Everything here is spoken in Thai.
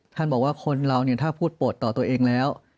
บอกว่าคนเราเนี่ยถ้าพูดโปรดต่อตัวเองแล้ว